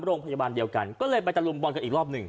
โรงพยาบาลเดียวกันก็เลยไปตะลุมบอลกันอีกรอบหนึ่ง